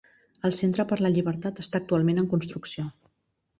El Centre per a la Llibertat està actualment en construcció.